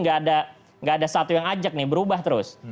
nggak ada satu yang ajak nih berubah terus